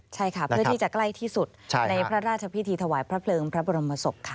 ใช่ค่ะเพื่อที่จะใกล้ที่สุดในพระราชพิธีถวายพระเพลิงพระบรมศพค่ะ